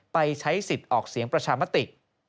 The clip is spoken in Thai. ไปใช้สิทธิ์ออกเสียงประชามติ